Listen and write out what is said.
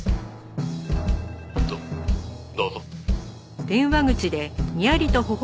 「どどうぞ」